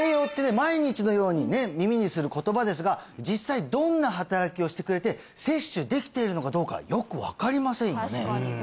毎日のようにね耳にする言葉ですが実際どんな働きをしてくれて摂取できているのかどうかよく分かりませんよね